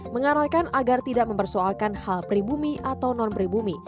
mengarahkan agar tidak mempersoalkan hal pribumi atau non pribumi